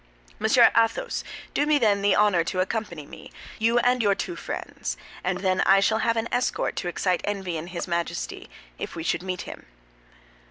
Monsieur Athos, do me, then, the honor to accompany me; you and your two friends, and then I shall have an escort to excite envy in his Majesty, if we should meet him."